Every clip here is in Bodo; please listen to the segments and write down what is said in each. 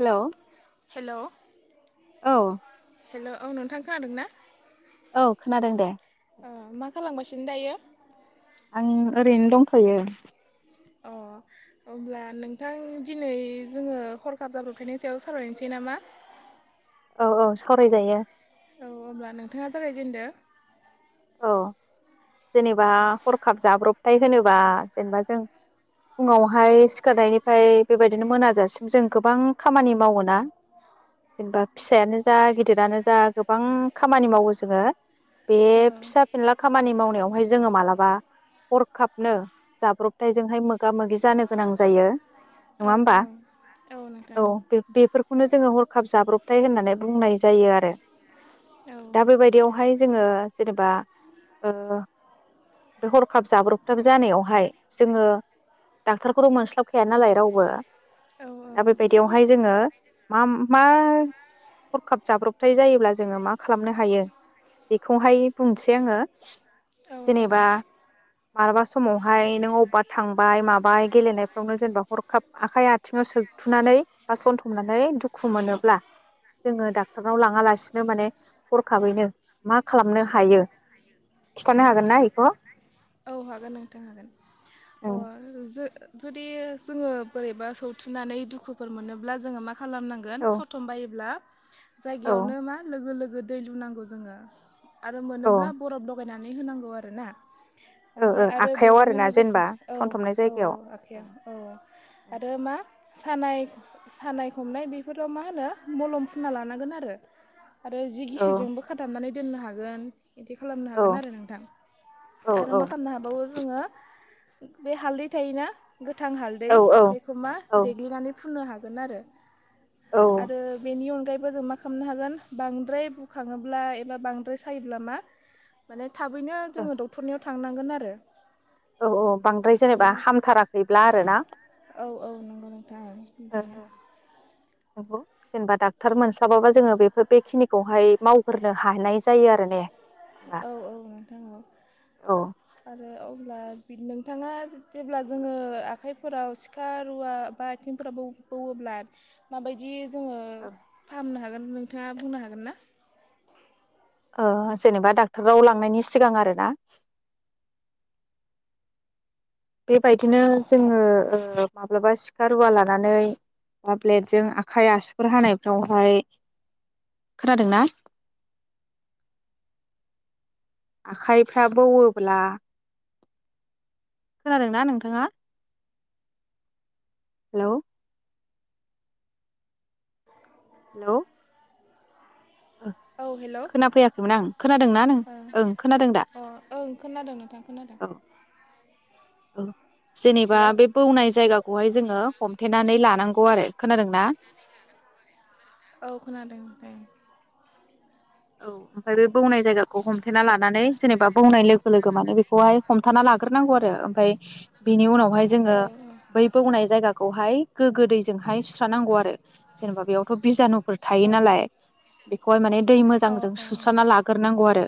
हेलौ हेलौ औ हेलौ औ नोंथां खोनादों ना औ खोनादों दे ओ मा खालाम गासिनो दायो उम ओरैनो दंथ'यो अ ओमब्ला नोंथां दिनै जोङो हरखाब जाब्रबथायनि सायाव सावरायनोसै नामा औ औ सावरायजायो औ होमब्ला नोंथाङा जागायजेनदो औ जेनेबा हरखाब जाब्रबथाय होनोबा जेनेबा जों फुङावहाय सिखारनायनिफ्राय बेबायदिनो मोनाजासिम जों गोबां खामानि मावोना जेनेबा फिसायानो जा गिदिरानो जा गोबां खामानि मावो जोङो बे औ फिसा फेनला खामानि मावनायावहाय जोङो मालाबा हरखाबनो जाब्रबथायजोंहाय मोगा मोगि जानो गोनां जायो औ नङा होमबा औ औ बे-बेफोर खौनो जोङो हरखाब जाब्रबथाय होननानै बुंनाय जायो आरो औ दा बेबायदि यावहाय जोङो जेनेबा ओ बे हरखाब जाब्रबथाब जानायावहाय जोङो डाक्टारखौथ' मोनस्लाबखाया नालाय रावबो औ दा बेबायदियावहाय जोङो मा मा हरखाब जाब्रबथाय जायोब्ला जोङो मा खालामनो हायो बेखौहाय बुंनोसै आङो औ जेनेबा जागोन मालाबा समावहाय नों अबेबा थांबाय माबाय गेलेनायफ्रावनो जेनेबा हरखाब आखाइ आथिङाव सोगथुनानै बा सथुमनानै दुखु मोनोब्ला जोङो डक्टरनाव लाङालासिनो माने हरखाबैनो मा खालामनो हायो खिथानो हागोनना इखौ। औ हागोन नोंथां हागोन अ जो जुदि जोङो बोरैबा सौथुननानै दुखुफोर मोनोब्ला जोङो मा खालामनांगोन औ सथम बायोब्ला औ जायगायावनो मा लोगो दै लुनांगौ जोङो आरो औ मोनोब्ला बरफ लगायना नानै होनांगौ आरोना। ओ ओमफ्राय ओ आरो आखाइयाव बेजोंनो आरोना लोगोसे जेनेबा औ सनथाबनाय औ औ जायगायाव आखाइया औ आरो मा सानाय सानाय हमनाय बेफोराव मा होनो मलम फुना लानांगोन आरो। आरो जि ओं गिसिजोंबो खाथाबनानै दोननो हागोन बिदि खालामनो हागोन ओं आरो नोंथां। औ आरो मा औ खामनो हाबावो जोङो उ बे हालदै थायोना गोथां हालदै औ बेखौ मा औ देग्लिनानै फुननो हाग होगोन आरो। औ आरो बेनि अनगायै मा खालामनो हागोन बांद्राय बुखाङोब्ला एबा बांद्राय सायोब्ला मा माने थाबैनो औ जोङो ड थांनांगोन आरो औ औ बांद्राय जेनेबा हामथाराखैब्ला आरोना औ औ नंगौ नोंथां औ ओ बिदिनो ओ नौ जेनेबा डाक्टर मोनस्लाबाबा जोङो बेफोर बेखिनिखौहाय मावग्रोनो हानाय जायो आरो ने। होनबा औ औ नोंथां औ औ आरो औ अब्ला नोंथाङा जेब्ला जोङो आखाइफोराव सिखा रुवा बा आथिंफोराव बौवोब्ला माबायदि जोङो फाहामनो हा हागोन नोंथाङा बुंनो हागोन ना? ओ जेनेबा डाक्टराव लांनायनि सिगां आरो ना बेबायदिनो जोङो माब्लाबा सिखा रुवा लानानै बा ब्लेडजों आखाइ आसिुगुर हानायफ्रावहाय खोनादोंनाा आखाइफ्रा बौयोब्ला खोनादोंना नोंथाङा? हेल' हेलौ औ हेल' ओ खोनाफैयाखैमोन आं खोनादोंना नों ओं खोनादों दा अ ओं खोनादों नोंथां खोनादों। औ औ जेनेबा हेल' बे बौनाय जायगाखौ खौहाय जोङो हमथेनानै लानांगौ आरो खोनादोंना औ खोनादों औ औ ओमफाय बे बौनाय जायगाखौ हमथेना लानानै जेनेबा बौनाय लोगो लोगो माने बेखौहाय हमथाना लागोरनांगौ आरो ओमफ्राय बिनि उनाव हायजो बै बौनाय जायगा खौहाय गोग्गो दैजोंहाय सुस्रा नांगौ आरो जेनेबा बेयावथ' बिजानु फोर थायो औ नालाय बेखौहाय माने दै औ मोजांजों अ सुस्रना लाग्रोनांगौ आरो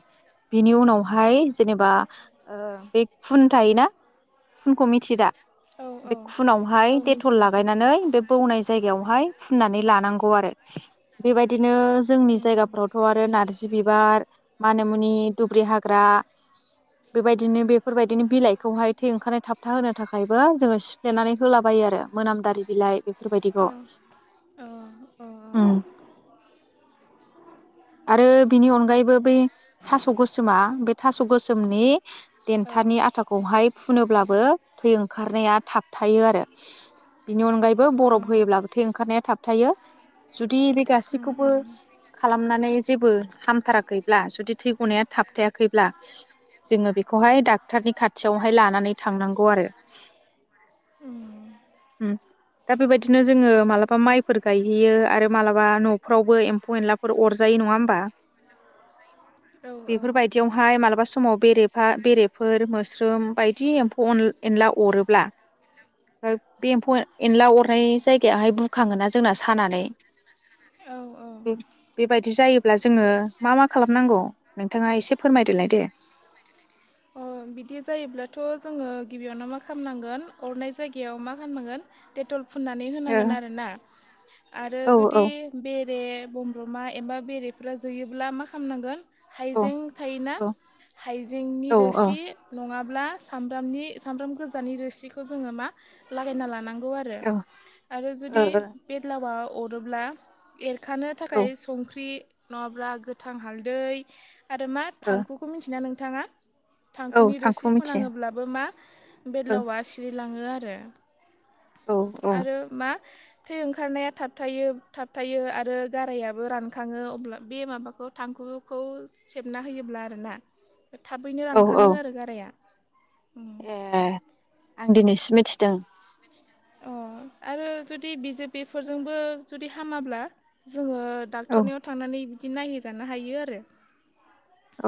बिनि उनाव बाहाय जेनेबा ओ बे खुन थायोना खुनखौ मिथियोदा अ बे औ औ खुनावहाय औ डेटल मिथियो नोंथां लागायनानै बे बौनाय जायगायावहाय फुननानै लानांगौ आरो बेबायदि बिदिनो जोंनि उम जायगाफ्राव बेखौ आरो नारजि बिबार माना मुनि दुब्रि हाग्रा बेबायदिनो बेफोरबायदिनो बिलाइखौहाय थै ओंखारनाय थाबथा होनो थाखायबो जोङो सिफ्लेनानै होलाबायो आरो मोनामदारि बिलाइ बेफोरबायदिखौ औ औ औ उम औ आरो बिनि अनगायैबो बे थास' गोसोमा बे थास' गोसोमनि औ देन्थानि आथाखौहाय फुनोब्लाबो थै ओंखारनाया थाबथायो आरो बिनि अनगायैबो बरफ उम होयोब्लाबो थै ओंखारनाया थाबथायो जुदि बे उम गासैखौबो खालामनानै जेबो हामथाराखैब्ला जुदि थै गनाया थाबथायाखैब्ला जोङो बेखौहाय डाक्टरनि खाथियावहाय लानानै थांनांगौ आरो उम उम दा बेबायदिनो जोङो मालाबा माइफोर गायहैयो आरो मालाबा न'फ्रावबो एम्फौ-एनला फोर अरजायो नङा होमबा? औ बेफोर बायदियावहाय मालाबा मा बा समाव बेरेफा बेरेफोर मोस्रोम बायदि एम्फौ एनला अरोब्ला बे एमफौ एनला अरनाय जायगायावाहाय बुखाङो ना जोंना सानानै औ औ बेबायदि जायोब्ला जोङो मा मा खालामनांगौ नोंथाङा एसे फोरमायदोलाय दे? ओम बिदि जायोब्लाथ' जोङो गिबियावनो मा खालामनांगोन अरनाय जायगायाव मा खालामनांगोन डेट'ल फुननानै होनांगोन आरोना आरो ओ औ जुदि बे बेरे बमब्रमा एमबा बेरेफ्रा जोयोब्ला मा खालामनांगोन? औ हाइजें थायोना औ हाइजेंनि औ रोसि खि नङाब बा सामब्रामनि सामब्राम गोजानि रोसिखौ जोङो मा लागायना लानांगौ। लानांगौ आरो औ आरो जुदि बेदलावआव अरोब्ला एर खानो ओ थाखाय संख्रि नङाब्ला गोथां हालदै आरो मा औ ओ थांखुखौ मिथिना नों नोंथाङा? औ थांखुनि रोसि थांखु मिथियो फोनाङोब्लाबो मा बेदलावा सिरि लाङो आरो ओ औ आरो मा थै ओंखारनाया थाब था थाबथायायो आरो गारायाबो रानखाङो अब्ला बे माबाखौ थांखुखौ सेबना होयोब्ला आरोना थाब औ औ खाङो आरो गाराया। ए। आं दिनैसो मिथिदों। अ आरो जुदि बिजेपिफोरजोंबो जुदि हामाब्ला जोङो औ डाक्टरनियाव थांनानै बिदि नायहोजानो हायो आरो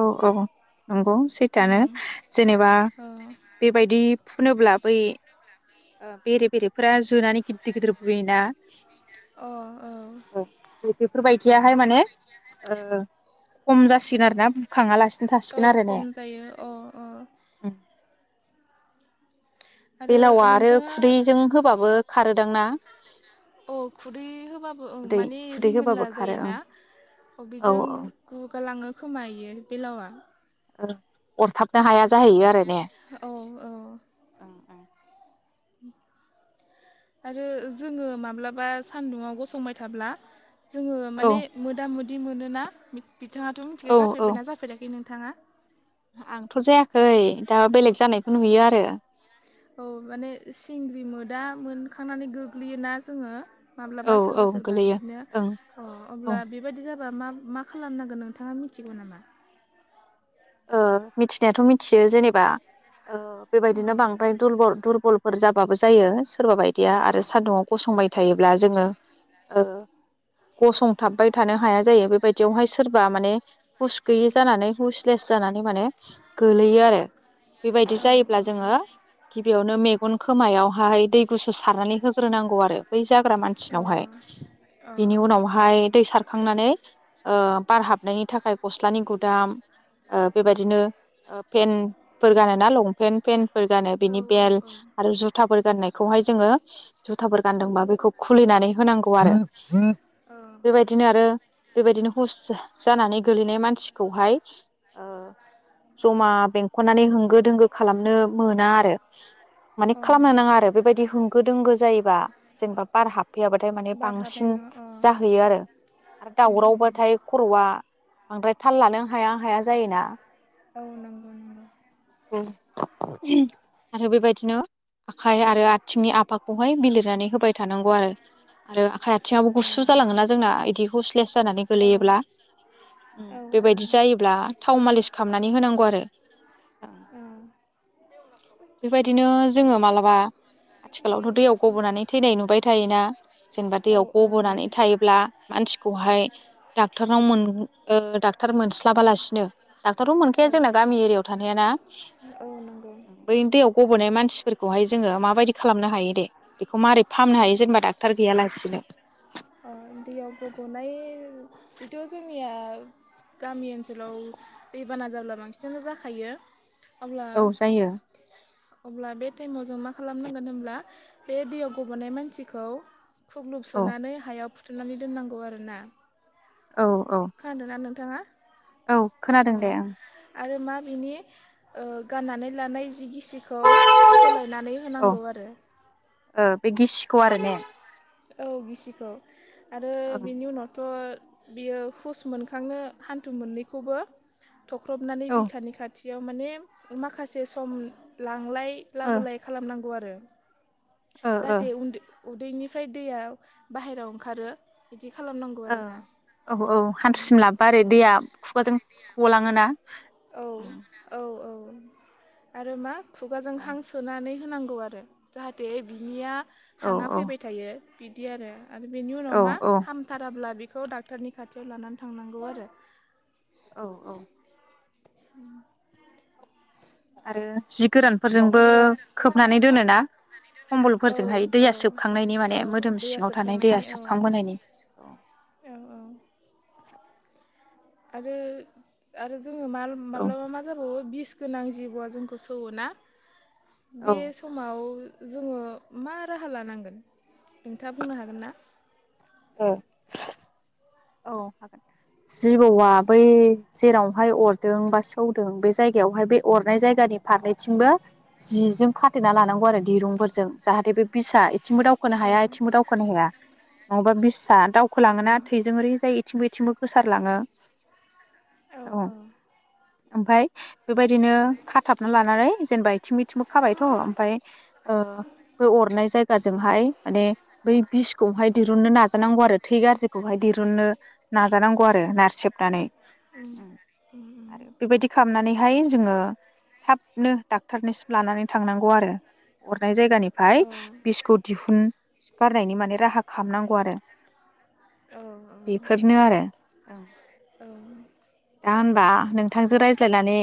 औ औ। नंगौ सैथोआनो जेनेबा बेबायदि फुनोब्ला बै बेरे बेरेफोरा जोनानै गिददिर गिदिर बुयोना औ औ। बेफोरबायदियाहाय माने खम जासिगोन आरोना? बुखाङालासिनो औ थासिगोन आरो ने खम जायो औ औ। बे आरो लावआ आरो नोंथाङा खुदैजों होबाबो खारो ना अ खुदै होबाबो ओं माने खुदै रिमोनला होबाबो खारो ओं जायोना अ औ बेजों गुगालाङो खोमायो बे लावा अरथाबनो हाया जाहैयो आरो ने औ औ [inaudible] आरो जोङो माब्लाबा सान्दुङआव गसंबाय थाब्ला जोङो माने ओं मोदा म बिदि मोनोना बिथाङाथ' औ मिथिखया औ जाफेरबायना जाफेराखै नों नोंथाङा आंथ' जायाखै दा बेलेग जानायखौ नुयो आरो औ माने सिंग्रि मोदा मोनखांनानै गोग्लैयोना जोङो औ माब्लाबा सोरबा औ सोरबा गोलैयो बिदिनो ओं अ औ अब्ला बेबायदि जाबाय हबा मा मा खालामनांगोन नोंथाङा मिथिगौ नामा ओ मिथिनायाथ' मिथियो जेनेबा ओ अ बेबायदिनो बांद्राय दुरबल दुरबल फोर जाबाबो जायो सोरबााबायदि या आरो सान्दुंआव गसंबाय थायोब्ला जोङो ओ गसंथाबबाय थानो हाया जायो बेबायदियावहाय सोरबा माने हुस गैयि जानानै हुस लेस जानानै माने गोलैयो आरो बेबायदि औ जायोब्ला औ जोङो गिबियावनो मेग गन खोमायाव हाय दै गुसु सारनानै होग्रोनांगौ आरो बै ज जाग्रा अ मानसिनावहाय अ औ बिनि उनावहाय दै सारखां खांनानै बार हाबनायनि थाखाय गस्लानि गुदाम बेबायदिनो पेन्फोर गान ना लं पेन्ट पेन्ट फोर गानो बिनि बेल औ आरो जुथाफोर गाननाय बे खौहाय जोङो जुथाफोर गानदोंबा बेखौ खुलिनानै होनांगौ आरो औ बेबायदिनो आरो बेबायदिनो हुस जानानै गोलैनाय मानसिखौहाय जमा बेंखननानै होंगो दोंगो खालामनो मोना आरो माने औ खालामनो अ नाङा आरो बेबायदि गोदोंगो जायोबा जेनेबा बार हाब फैयाबाथाय माने बार हाबनाय बांसिन नङा अ जाहैयो आरो आरो उम उम दावरावबाथाय खर'आ ओमफ्राय थाल लानो आं हाया हाया जायोना औ नंगौ नंगौ [unintelligible] आरो बेबायदिनो आखाइ आरो आथिंनि आफाखौहाय बिलिरनानै होबाय थानांगौ आरो आरो आखा थिङाबो औ गुसु जालाङोना जोंना बिदि हुसलेस जानानै औ गोलैयोब्ला उम औ बेबायदि जायोब्ला थाव मालिस खालामनानै होनांगौ आरो औ बेबायदिनो जोङो मालाबा आथिखालावथ' दैयाव गब'नानै थैनाय नुबाय थायोना जेनेबा औ दैयाव औ नुयो गब'नानै थायोब्ला मानसिखौहाय डाक्टरनाव मोन ओ डाक्टर मोनस्लाबालासिनो डाक्टर थ' मोनखाया औ जोंना गामि एरियायाव थानाया ना नंगौ बै दैयाव गबोनाय मानसिफोरखौहाय जोङो माबायदि खालामनो हायो दे बेखौ माबारै फाहामनो हायो जेनेबा डाक्टार गैया लासिनो अ दैयाव गब'नाय बेथ' जोंनिया गामि ओनसोलाव दैबाना जाब्ला बांसिनानो जाखायो अब्ला औ जायो अब्ला बे टाइमाव जों मा खालामनांगोन होनब्ला बे दैयाव गब'नाय मानसिखौ खुग्लुब औ सोनानै हायाव [unintelligible] नानै दोननांगौ आरो ना औ औ थाङा औ खोनादों दे ओं आरो मा बिनि ओ गाननानै लानाय जि गि सिखौ सोलायनानै औ होनांगौ आरो ओ बे गिसिखौ आरो ने औ गिसिखौ आरो ओं बिनि उनावथ' बियो हुस मोनखांनो हान्थु मोननैखौबो थख्रबनानै औ बिखानि खाथि बेयाव माने माखासे सम लांलाय ए ओ लाबोलाय खालामनांगौ आ रो ओ जाहाथे उन्दो उदैनिफ्राय दैया बाहेराव ओंखारो इदि औ औ औ हान्थुसिम लाबबा ओरै दैया खुगाजों गलाङोना औ उम औ औ आरो मा खुगाजों औ हां सोनानै होनांगौ आरो जाहाथे बिनिया औ हाङा औ फैबाय थायो बिदि आरो आरो बेनि उनाव औ मा हामथाराब्ला बि खौ डाक्टरनि खाथियाव लानानै थांनांगौ आरो। औ औ औ आरो जि गोरान फोरजोंबो अब्ला खोबनानै दोनोना? औ खम्बलफोरजोंहाय औ दैया सोबखांनायनि औ माने मोदोम दैया सिङाव थानाय दैया सोबखांनायनि औ सोबखांबोनायनि औ औ औ आरो आरो जोङो मा औ माब्लाबा मा जाबावो। बिस गोनां जिबौआ जोंखौ सौवोना औ बे समाव जोङो मा राहा लानांगोन नोंथाङा बुंनो हागोन ना? ओ औ हागोन जिबौआ बै जेरावहाय अरदों बा सौदों बे जायगायावहाय बे अरनाय जायगानि फारनैथिंबो जिजों खाथेना लानांगौ आरो दिरुंफोरजों जाहाथे बे बिसा आथिंबो दावखोनो अ हाया इथिंबो दावखोनो हाया। नङाबा बिस अ दावखोलाङोना थै जायथिंबोथिंबो गोसारलाङो औ औ ओमफ्राय बेबायदिनो खाथाबना लानानै जेनेबा थिमि थिमि खाबायथ' ओ ओमफ्राय बे अरनाय जायगा गाजोंहाय माने बै बिसखौहाय दिरुननो नाजानांगौ आरो थै गाज्रिखौहाय दिरुननो नाजानांगौ आरो नारसेबनानै उम उम उम आरो बेबायदि खालामनानै बेहाय जोङो थाबनो डाक्टरनिसिम लानानै थांनांगौ आरो। नाय औ जायगानिफ्राय बिस्क' दिहुन गारनायनि माने राहा खालामनांगौ आरो। औ औ बेफोरनो [inaudible] औ दा होनबा नोंथांजों रायज्लायनानै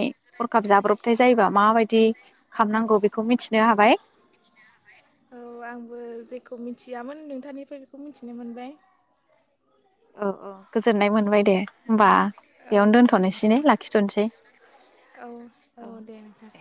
हरखाब जाब्रबथाय जायोबा माबायदि खालामनांगौ बेखौ मिथिनो हाबाय औ आंबो जेखौ मिथियामोन नोंथांनिफ्राय बेखौ मिथिनो मोनबाय। औ औ गोजोननाय मोनबाय दे होनबा औ दे नोंथां औ औ दे नोंथां।